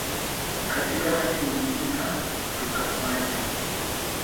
katika hali nzuri na tukafanyaa